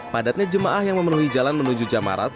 padatnya jemaah yang memenuhi jalan menuju jamarat